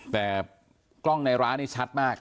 แต่กล้องในร้านนี้ชัดมาก